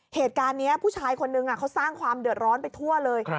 เหตุการณ์นี้ผู้ชายคนนึงเขาสร้างความเดือดร้อนไปทั่วเลย